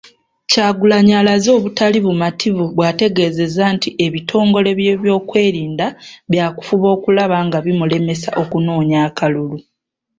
Kyagulanyi alaze obutali bumativu bw'ategeezzza nti ebitongole by'ebyokwerinda byakufuba okulaba nga bimulemesa okunoonya akalulu.